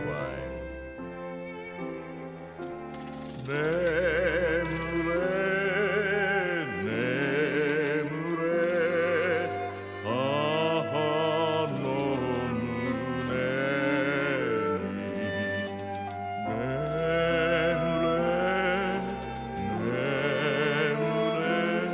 ねむれねむれ母のむねにねむれねむれ